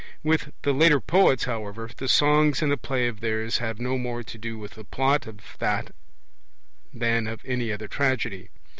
With the later poets, however, the songs in a play of theirs have no more to do with the Plot of that than of any other tragedy.